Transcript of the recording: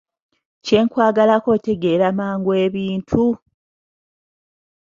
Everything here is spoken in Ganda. Kyenkwagalako otegeera mangu ebintu!